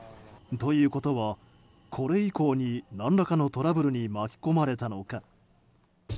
ということはこれ以降に何らかのトラブルに巻き込まれたのか。